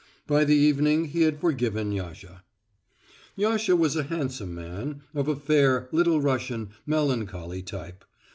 By the evening he had forgiven Yasha. Yasha was a handsome man, of a fair, Little Russian, melancholy type.